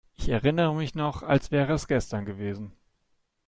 Ich erinnere mich noch, als wäre es gestern gewesen.